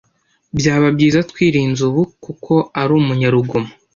Byaba byiza twirinze ubu, kuko ari umunyarugomo.